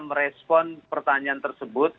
merespon pertanyaan tersebut